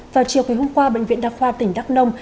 vào chiều hôm qua bệnh viện đắc khoa tỉnh đắc nông